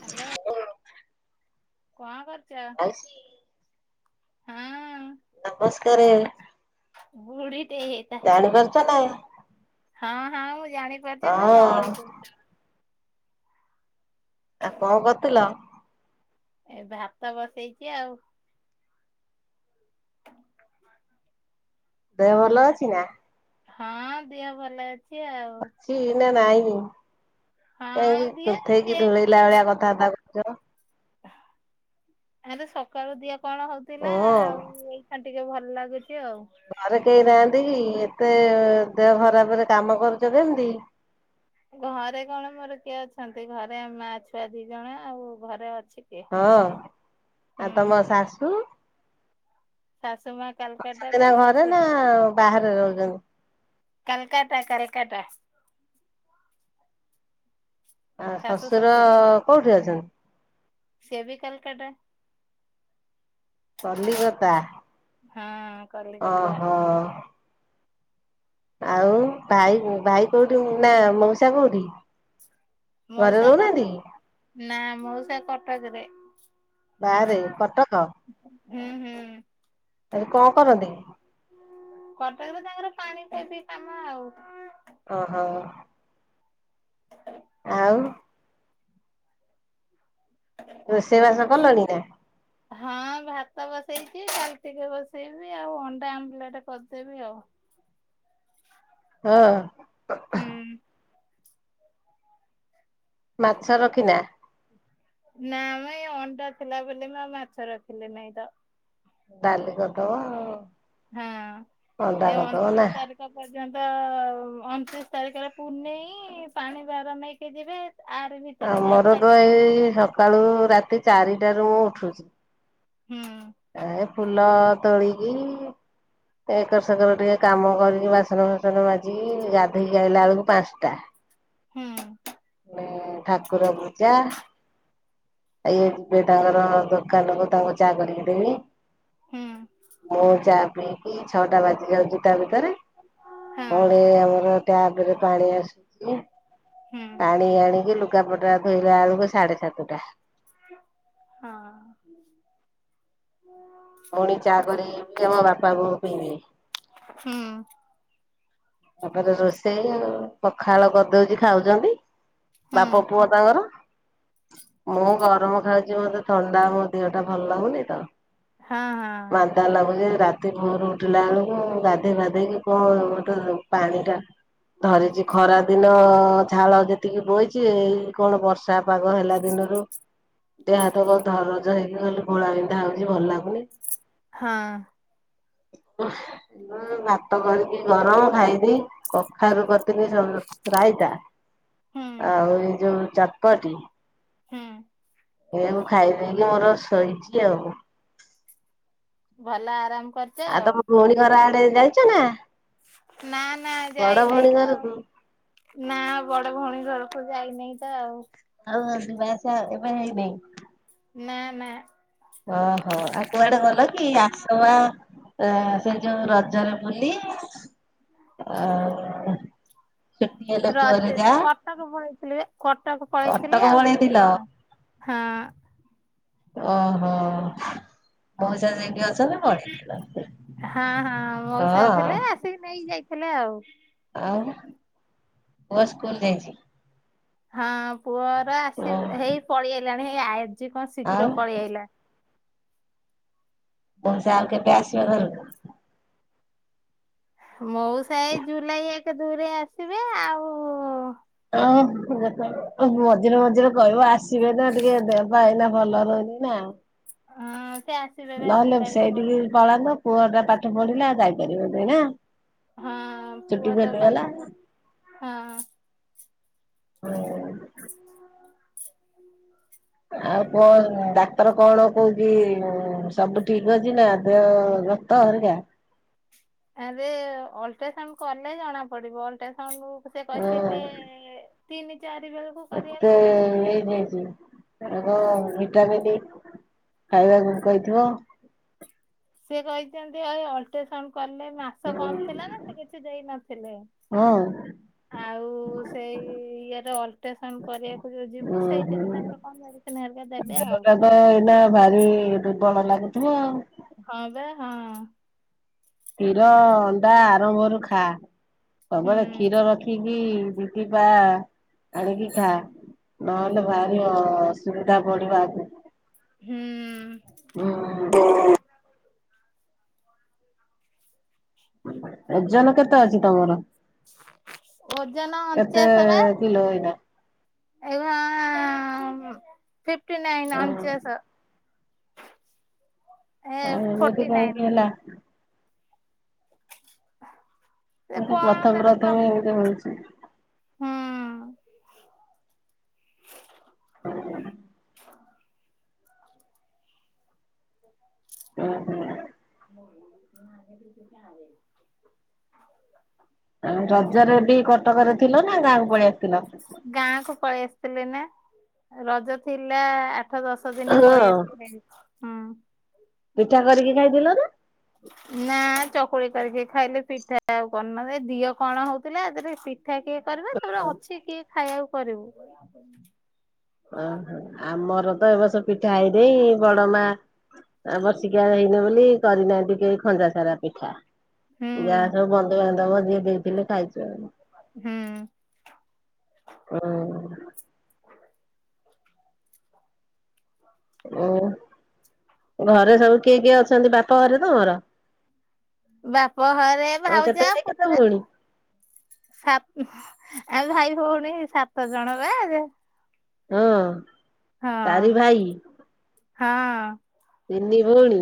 Hello କଣ କରୁଛ? ମାଉସୀ ହଁ। ନମସ୍କାରେ। ବୁଢ଼ୀଟେ ହେଇଥା ଜାଣିପାରୁଛ ନା? ହଁ ହଁ ମୁଁ ଜାଣିପାରୁଛି ହଁ ତମେ ଅଳିକୁ। ଆଉ କଣ କରୁଥିଲ? ଏ ଭାତ ବସେଇଛି ଆଉ। ଦେହ ଭଲ ଅଛି ନା? ହଁ ଦେହ ଭଲ ଅଛି। ଛି ଆଉ। ସ ନା ନାଇଁ ହଁ କାହିଁକି ଦିହ କୁନ୍ଥେଇ ସେମିତି ଢୁଳେଇଲା ଭଳିଆ ଆଉ କଥାବାର୍ତ୍ତା କରୁଛ। ଆରେ ସକାଳୁ ଦିହ କଣ ହଉଥିଲା ହଁ ଆଉ ଏ ଆ ଟିକେ ଭଲ ଲାଗୁଚି ଆଉ। ଘରେ କେହି ନାହାନ୍ତି କି ଏତେ ଦେହ ଖରାପରେ କାମ କରୁଛ କେମିତି? ଘରେ କଣ ମୋର କିଏ ଅଛନ୍ତି ଘରେ ମା ଛୁଆ ଦି ଜଣ ଆଉ ଘରେ ଅଛି କିଏ? ହଁ ହୁଁ ଆଉ ତମ ଶାଶୁ? ଶାଶୁ ମା ଅଛନ୍ତି କାଲକାଟାରେ ନା ଘରେ ଶଶୁର ନା ବାହାରେ ରହୁଛନ୍ତି? କାଲକାଟା କାଲକାଟା। ଆ ଶାଶୁ ଶଶୁର କୋଉଠି ଅଛନ୍ତି? ସେ ବି କାଲକାଟା କଲିକତା ହଁ କଲିକତା। ଓହୋ। ଆଉ ଭାଇ ଭାଇ କୋଉଠି ନା ମଉସା କୋଉଠି? ଘରେ ମଉସା ରହୁନାହାନ୍ତି କଟକ କି? ନା ମଉସା କଟକରେ। ବାହାରେ କଟକ। ହୁଁ ହୁଁ। ଆରେ କଣ କରନ୍ତି? କରଟକରେ ତାଙ୍କର ପାଣି ସେତି କାମ ଆଉ। ଓହୋ। [inaudible] ଆଉ ରୋଷେଇବାସ କଲଣିନା? ହଁ ଭାତ ବସେଇଛି ଡ଼ାଲି ଟିକେ ବସେଇବି ଆଉ ଅଣ୍ଡା ଆମ୍ଲେଟ୍ କରିଦେବି ଆଉ। ହଁ। ହୁଁ। ମାଛ ରଖିନା? ନାମ ଏଇ ଅଣ୍ଡା ଥିଲା ବୋଲି ମୁଆଉ ମାଛ ରଖିଲି ନାଇଁତ। ଡାଲି କରିଦବ ଆଉ। ହଁ ଅଣ୍ଡା କରିଦବ ନା। ଏଅଣତିରିଶି ତାରି ପର୍ଯ୍ୟନ୍ତ ଅଣତିରିଶି ତାରିଖରେ ପୁନେଇ ପାଣି ଭାର ନେଇକି ଯିବେ ଆରି ଭିତରେ ଯାହା ଆମର ତ ଖାଇବା ଏଇ କଥା ଖାଇ ସକାଳୁ ମୁରାତି ଚାରିଟାରୁ ମୁଁ ଉଠୁଛି। ହୁଁ। ଏ ଫୁଲ ତୋଳିକି ଏଇ ଏକର୍ ସେକର ଟିକେ କାମ କରିକି ବାସନ ଫାସନ ମାଜିିକି ଗାଧୋଇକି ଆଇଲା ବେଳକୁ ପାଞ୍ଚ ଟା। ହୁଁ ଫୁଣି ଠାକୁର ପୂଜା। ଆ ଇଏ ଯିବେ ତାଙ୍କର ଦୋକାନକୁ ତାଙ୍କୁ ଚା କରିକି ଦେମି। ହୁଁ ମୁଁ ଚା ପିଇକି ଛଅଟା ବାଜି ଯାଉଚି ତାଭିତରେ ଫୁଣି ହଁ ଆମର ଟ୍ୟାପ୍ ରେ ପାଣି ଆସୁଚି ତା ହୁଁ ପାଣି ଆଣିକି ଲୁଗାପଟା ଧୋଇଲା ବେଳକୁ ସାଢ଼େ ସାତଟା। ହଁ। ଫୁଣି ଚା କରିବି ଆମ ବାପା ବୋଉ ପିଇବେ। ହୁଁ। ତାପରେ ରୋଷେଇ ଆଉ ପଖାଳ କରି ଦୋଉଚି ଖାଉଚନ୍ତି। ହୁଁ। ବାପ ପୁଅ ତାଙ୍କର ମୁଁ ଗରମ ଖାଉ ମତେ ଥଣ୍ଡା ମୋଦେହଟା ଭଲ୍ ଲାଗୁନିତ। ହଁ ହଁ। ଥଣ୍ଡା ଲାଗୁଛି ରାତି ଭୋର୍ ଉଠିଲା ଆଳୁକୁ ଗାଧେଇ ପାଧେଇକି କଣ ଗୋଟେ ଯୋଉ ପାଣି ଟା ଧରିଚି ଖରା ଦିନ ଝାଳ ଯେତିକି ବୋହିଚି ଏଇ ପୁଣି ବର୍ଷା ପାଗ ହେଲା ଦିନୁରୁ ଦେହ ହାତ ଦବୁ ଧରଜ ହେଇକି ଖାଲି ଘୋଳା ବିିନ୍ଧା ହୋଉଛି ଭଲ୍ ଲାଗୁନି। ହଁ। ମୁଁ ଭାତ କରିକି ଗରମ୍ ଖାଇ କଖାରୁ କରିଥିଲି ସବୁ ରାଇତା ହୁଁ ଆଉ ଏଇ ଯୋଉ ଚଟପଟି। ହୁଁ। ଏଇଆକୁ ଖାଇ ଦେଇକି ମୋର ଶୋଇଚି ଆଉ। ଭଲ ଆରାମ୍ କରିଚ ଆଉ। ଭଉଣୀ ଘର ଆଡ଼େ ଯାଇଚନା? ନା ନା ଯାଇ ନେଇଁତ ଆଉ। ଘରକୁ? ନା ବଡ଼ ଭଉଣୀ ଘରକୁ ଯାଇନେଇଁତ ଆଉ। ଆଉ ଯିବା ଆସିବା ଏବେ ହେଇନେଇଁ। ନା ନା। ଅ ହଁ ଆଉ କୁଆଡ଼େ ଗଲକି ଆସବା ଆ ସେଇ ଯୋଉ ରଜରେ ବୁଲି ଆଉ ଛୁଟି ହେଲେ ରଜ୍ ପୁଅରେ ଏଇ ଯୋଉ ଯା କଟକ ପଳେଇଥିଲି ଏ କଟକ କଟକ ପଳେଇଥିଲି ଆଉ ଜିବି ପଳେଇଥିଲ? କଣ। ହଁ। ଓହୋ ମଉସା ସେଇଠି ଅଛନ୍ତି ପଳେଇଥିଲ? ହଁ ହଁ ମଉସା ହଁ। ଥିଲେ ଆସିକି ନେଇକି ଯାଇ ଥିଲେ ଆଉ। ଆଉ ପୁଅ ସ୍କୁଲ୍ ଯାଇଚି? ହଁ ପୁଅର ଓ ଆସିବା ହେଇ ପଳେଇ ଆଇଲାଣି ହେଇ ଆଜି କଣ ଆଉ ଶୀଘ୍ର ପଳେଇ ଆଇଲାଣି? ମୋଉଶା ଆଉ କେବେ ଆସିବ ଘରକୁ? ମଉସା ଏଇ ଜୁଲାଇ ଏକ ଦୁଇରେ ଆସିବେ ଆଉ ଅ ହଁ ଯେତେବେଳେ ମଝିରେ ମଝିରେ କହିବ ଆସିବେ ନା ଟିକେ ଦେହ ପା ଏଇନା ଭଲ ରହୁନି ନା ହଁ ସେ ଆସିବେ ବା ନହେଲେ ଜୁଲାଇ ପ ସେଇଠିକି ପଳାନ୍ତ ପୁଅ ଟା ପାଠ ପଢ଼ିଲା ଯାଇ ପାରିବନି ନା? ହଁ ପୁଅ ତ ପାଠ ପଢୁ ହଁ। [unintelligible] ଆଉ ପୁଅ ନା ଡାକ୍ତର କଣ କହୁଚି ଉ ସବୁ ଠିକ୍ ଅଛି ନା ଦେହ ପା? ତ ଘରୁ ଯା? ଆରେ ଅଲଟ୍ରାସାଉଣ୍ଡ କଲେ ଜଣା ପଡ଼ିବ ଅଲଟ୍ରାସାଉଣ୍ଡ ସେ ହଁ। କହିଥିଲେ ତିନି ଚାରି ବେଳୁକୁ ଏବେ ହେଇ ଯାଇଚି। ଆଉ ହଁ ମିଠାମିଠି ଖାଇବାକୁ କହିଥିବ? ସେ କହିଥାନ୍ତେ ଆଉ ଅଲଟ୍ରାସାଉଣ୍ଡ କଲେ ନା। ସେ ବନ୍ଦ ଥିଲା ନା ସେ କିଛି ଦେଇ ନଥିଲେ? ହ। ଆଉ ସେଇ ଇଏରେ ଅଲଟ୍ରାସାଉଣ୍ଡ କରିବାକୁ ଯୋଉ ଯିବୁ ସେଇଥିରେ ତାଙ୍କର କଣ ମେଡି ମେଡ଼ିସିନ୍ ହେରା ଦେବେ। ହେଲେ ଆଉ ତାଙ୍କର ଏବେ ଏଇନା ଭାରି ଦୁର୍ବଳ ଲାଗୁଥିବ ଆଉ। ହଁ ବା ହଁ। କ୍ଷୀର ଅଣ୍ଡା ଆରମ୍ଭରୁ ଖା ହୁଁ ପ୍ରବଳ କ୍ଷୀର ରଖି କିଣିକି ଦି ଦିଟା ଆଣିକି ଖା। ନହେଲେ ଭାରି ଅ ଅସୁବିଧା ବଢିବ ଆଗକୁ। ହୁଁ। ଓ। ଓଜନ କେତେ ଅଛି ତମର? ଓଜନ କେତେ ଅଞ୍ଚାସେ ବା। କିଲୋ ଏଇନା? ଏବା ଫିଫ୍ଟି ନାଇନ୍ ହଁ ଅଞ୍ଚାସ। ଫୋର୍ଟି ଏମିତି ନାଇନ୍ କାହିଁକି ହେଲା? ସେ ମୋତେ କଣ ପ୍ରଥମେ ତାର ପ୍ରଥମେ ପ୍ରୋବ୍ଲେମ୍ ଏମିତି ହଉଛି? ହୁଁ ଓ [unintelligible] ହ [unintelligible] ଓ ହୋ। [unintelligible] ଆ ରଜରେ ବି କଟକରେ ଥିଲ ନା ଗାଁକୁ ପଳେଇ ଆସିଥିଲ? ଗାଁ କୁ ପଳେଇ ଆସିଥିଲେି ନା ରଜ ଥିଲା ଆଠ ଦଶ ଦଶ ଦିନ ହଁ ପଳେଇ ଆସିଥିଲି। ପିଠା କରିକି ଯାଇଥିଲ ନା? ନା ଚକୁଳି କରିକି ଖାଇଲୁ ପିଠା ଆଉ କରିନୁ ଏ ଦିହ କଣ ହଉଥିଲା? ପିଠା କିଏ କରିବ ନହେଲେ ଅଛି କିଏ ଖାଇବାକୁ କରିବୁ? ଓହୋ ଆମର ତ ଏବର୍ଷ ପିଠା ହେଇନି ବଡ ମା ଆ ବର୍ଷିକା ହେଇନି ବୋଲି କରିନାହାନ୍ତି କେହି ଖଞ୍ଜା ସାରା ପିଠା। ହୁଁ ଯା ସବୁ ବନ୍ଧୁ ବାନ୍ଧବ ଯିଏ ଦେଇଥିଲେ ଖାଇଚୁ ଆଉ। ହୁଁ। ଓ। ହ [unintelligible] ଓ ଘରେ ସବୁ କିଏ କିଏ ଅଛନ୍ତି ବାପ ଘରେ ତମର? ବାପ ଘରେ ତମେ କେତେ ଭାଉଜ ଭାଇ କେତେ ପୁତୁରା। ଭଉଣୀ? ସାତ ଆ ଭାଇ ଭଉଣୀ ସାତ ଜଣବା ଏବେ। ଓ। ହଁ ହଁ। ତିନି ଭଉଣୀ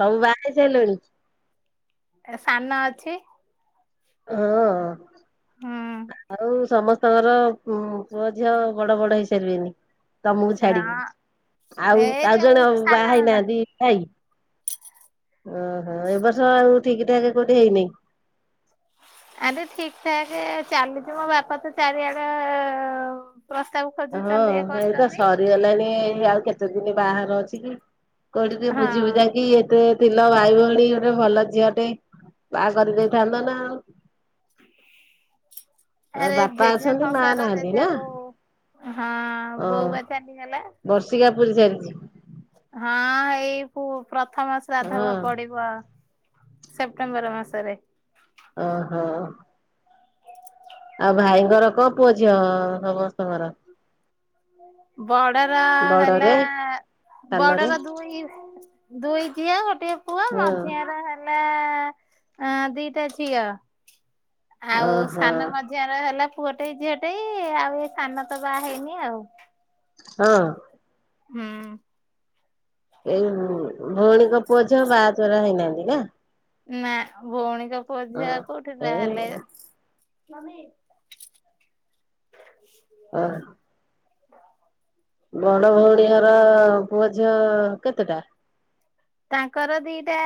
ସବୁ ବାହା ହେଇ ସାଇଲଣି? ଏ ସାନ ଅଛି। ହୁଁ ହୁଁ ଆଉ ସମସ୍ତଙ୍କର ପୁଅ ଝିଅ ବଡ ବଡ ହେଇସାରିବେନି। ତମକୁ ହଁ ଛାଡିକି ଏ ଆଉ ଆଉ ଯୋଉ ଜଣେ ବାହା ସାନ ନନା ହେଇନାହାନ୍ତି ଭାଇ। ଓହୋ ଏବ ବର୍ଷ ଆଉ ଠିକ ଠାକ କୋଉଠି ହେଇନେହିଁ। ଆରେ ଠିକ୍ ଠାକେ୍ ଚାଲିଥିବ ବାପା ତ ଚାରିଆଡେ ପ୍ରସ୍ତାବପ ହଁ ଏଇତ ସରିଗଲାଣି। ଆଉ କେତେ ଦିନ ବାହାଘର ଅଛି କି କୋଉଠିି ଟିକେ ହଁ ବୁଝି ବୁଝା କି ଏତେ? ଥିଲ ଭାଇ ଭଉଣୀ ଗୋଟେ ଭଲ ଝିଅଟେ ବାହା କରିଦେଇଥାନ୍ତ ନା ଆଉ। ଆଉ ଆରେ ବାପା ଜେଝା ଅଛନ୍ତି ମା ସଂସାର ନାହାନ୍ତି ଜେଝେ ନା? କୁ ହଁ ହଁ ବୋଉପା ଚାଲିଗଲା। ବର୍ଷିକା ପୁରି ସାରିଛି? ହଁ ଏଇ ପୁପ୍ରଥମ ହଁ ଶ୍ରାଦ୍ଧପା ପଡିବ। ସେପ୍ଟେମ୍ବର ମାସରେ। ଓହୋ। ଆଉ ଭାଇଙ୍କର କ ପୁଅଝିଅ ସମସ୍ତଙ୍କର? ବଡର ହେଲା ବଡରେ ସାଲରେ ବଡର ଦୁଇ। ଦୁଇ ଝିଅ ଗୋଟେ ପୁଅ। ହଁ ମଝିଆର ନାଁ ଦିଟା ଝିଅ। ଆଉ ଓହୋ ସାନ ମଝିଆ ର ହେଲା ପୁଅଟେ ଝିଅଟେ। ଆଉ ଏ ସାନ ତ ବାହା ହେଇନି ଆଉ। ହଁ। ହୁଁ। ଏଇ ଭଉଣୀଙ୍କ ପୁଅ ଝିଅ ବାହାଚେରା ହେଇନାହାନ୍ତି ନା। ନା ଭଉଣୀଙ୍କ ପୁଅଝିି ହଁ କୋଉଠି ଏ ବାହେଲେ? ନାଁ। ବଢ ଭଉଣୀ ଘର ପୁଅ ଝିଅ କେତେଟା? ତାଙ୍କର ଦିଟା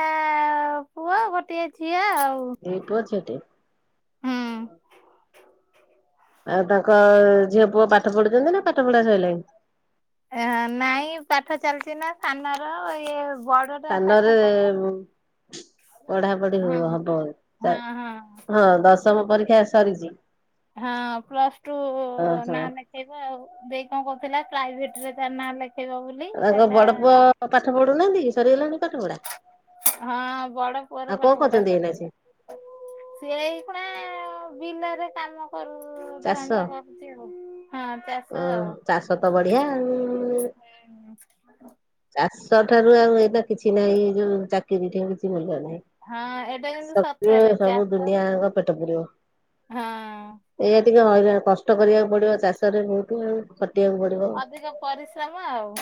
ପୁଅ ଗୋଟିଏ ଝିଅ ଆଉ। ଦିପୁଆ ଝିଅଟେ। ହୁଁ। ଆଉ ତାଙ୍କ ଝିଅ ପୁଅ ପାଠ ପଢୁଛନ୍ତି ନା ପାଠ ପଢା ସଇିଲଣି? ନାଇଁ ପାଠ ଚାଲିଚ ନା ସାନର ଇଏ ବଡ ସାନରେ ପଢାପଢି ହଁ ହବ ହଁ ଦଶମ ପରୀକ୍ଷା ସରିଛି। ହଁ ପ୍ଲସ୍ ଟୁ ଓହୋ ନାନେ ହେବ ଆଉ ଦେଇ କଣ କରଥିଲା ପ୍ରାଇଭେଟ୍ ରେ ତାର ନାଁ ଲେଖେଇବ ବୋଲି। ତାଙ୍କ କହିଲା ବଡ ପୁଅ ପାଠ ପଢୁନାହାନ୍ତି। କି ସରିଗଲାଣି ପାଠ ପଢା? ହଁ ବଡ ପୁଅର ଆଉ କଣ ପାଠ ପଢା କରୁଛନ୍ତି ଏଇନା ସେ ସରିଗଲାଣି। ସିଏ ଏଇ ଖୁଣା ବିଲରେ କାମ କରରୁ ଚାଷ ଧନ୍ଦା କରୁଛି। ଆଉ ହଁ ଅ ଚାଷ ଆଉ। ଚାଷ ତ ବଢ଼ିଆ। ହେଁଉଁ ପାଠ। ଚାଷ ଠାରୁ ଆଉ ଏଇନା କିଛି ନାହିଁ ଏ ଯୋଉ ଚାକିରି ଠେଇ କିଛି ମୂଲ୍ୟ ନାହିଁ। ହଁ ଏଇଟା କିନ୍ତୁ ସବୁ ସତରେ ସବୁ ଚାଷ ଦୁନିଆଙ୍କ ପେଟ ପେଡିବ। ହଁ। ଟିକେ ହଇରାଣ କଷ୍ଟ କରିବାକୁ ପଡିବ ଚାଷରେ ବହୁତ ଖଟିବାକୁ ପଡିବ। ଅଧିକ ପରିଶ୍ରମ ଆଉ।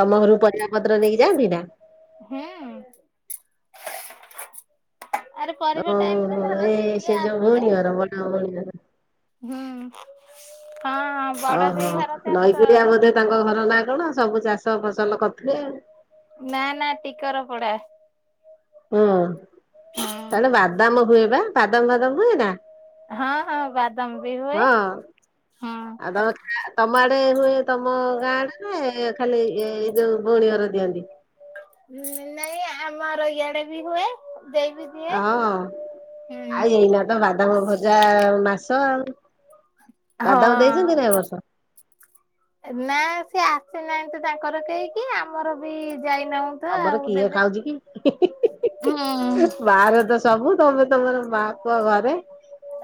ତମ ଘରୁକୁ ପରିବା ପତ୍ର ନେଇକି ଯାଆନ୍ତି ନା। ହୁଁ। ଆରେ ତମ ପରିବା ଟାଇମ ରେ ଧର ଏ ସେ କିଏ ଯୋଉ ଆସିଲେ? ଭଉଣୀ ଘର ବଡ ଭଉଣୀ ଘର। ହୁଁ କଣ? ଓହୋ ନଈକିରିଆ ବୋଧେ ତାଙ୍କ ଘର ନା କଣ ସବୁ ଚାଷ ଫସଲ କରୁଥିବେ ଆଉ। ନା ନା ଟିକର ପଡା। ହୁଁ ହଁ ସାଡେ ବାଦାମ ହୁଏ ବା ବାଦାମ ଫାଦମ ହୁଏନା? ହଁ ହଁ ବାଦାମ ବି ହୁଏ ହଁ। ଆଉ ତମ ତମ ଆଡେ ହୁଏ ତମ ଗାଁ ଆଡେରେ ଖାଲି ଏ ଏଇ ଯୋଉ ଭଉଣୀ ଘର ଦିଅନ୍ତି? ନାଇଁ ଆମର ଇଆଡେ ବି ହୁଏ। ଦେଇବି ହଁ ଆଉ ଏଇନା ତ ବାଦାମ ଭଜା ମାସ ଆଉ। ବାଦାମ ହଁ। ଦେଇଛନ୍ତି ନା ଏ ବର୍ଷ? ନା ସେ ଆସେ ନାହିଁ ତ ତାଙ୍କର କେହିକି ଆମର ବି ଯାଇନାହୁଁ। ତ ତମର ଆଉ କିଏ ଦେବେ ଖାଉଛି କି? ହୁଁ ବାହାରେ ତ ସବୁ ତମେ ତମର ମା ପୁଅ ଘରେ।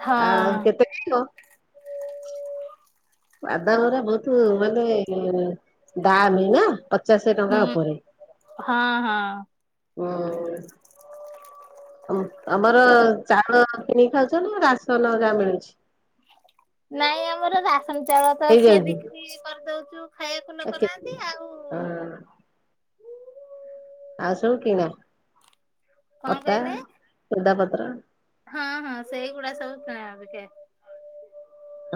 ହଁ ଆଉ କେତେ ନୋ ବାଦମରେ ବହୁତ ମାନେ ଦାମ ନା? ପଚାଶ ଟଙ୍କା ହୁଁ ଉପରେ ହଁ ହଁ ହୁଁ। ଆମର ଚାଉଳ କିଣିି ଖାଉଛ ନା ରାସନ ଯାହା ମିଳୁଛି? ନାଇଁ ଆମର ରାସନ ଚାଉଳ ତ ସିଏ ହେଇଯାଉଛି? ବିକ୍ରି କରିଦଉଛୁ ଖାଇବାକୁୁ ଆ ନୋକ କେ ନାହାନ୍ତି ଆଉ। ହଁ ଆଉ ସବୁ କିଣା କଣ ଅଟା କହିଲେ ସୋଉଦାପତ୍ର। ହଁ ହଁ ସେଇଗୁଡା ସବୁ କିଣାବିକେ।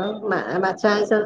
ହଁ ମା ମାଛ ଆଇଁସ